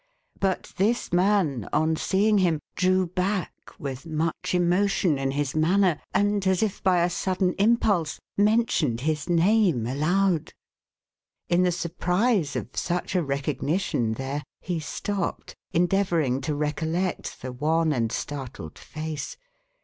But this man, on seeing him, drew back, with much emotion in his manner, and, as if by a sudden impulse, mentioned his name aloud. In the surprise of such a recognition there, he stopped, endeavouring to recollect the wan and startled face.